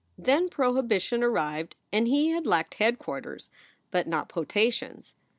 Then prohibition arrived and he had lacked headquarters, but not potations.